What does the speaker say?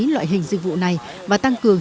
loại hình dịch vụ này và tăng cường